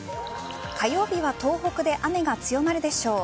火曜日は東北で雨が強まるでしょう。